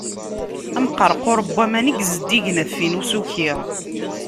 Amqerqur n waman i zeddig ɣef win usuki.